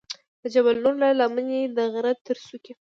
د جبل نور له لمنې د غره تر څوکې.